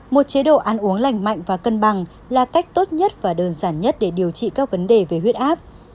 một chế độ ăn uống lành mạnh và cân bằng là cách tốt nhất và đơn giản nhất để điều trị các vấn đề về huyết áp